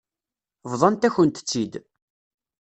Bḍant-akent-tt-id.